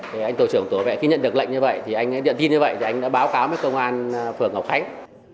thì anh tổ trưởng tổ vệ khi nhận được lệnh như vậy thì anh điện tin như vậy thì anh đã báo cáo với công an phường ngọc khánh